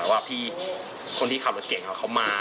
แต่ว่าพี่คนที่ขับรถเก่งเขามา